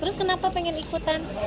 terus kenapa pengen ikutan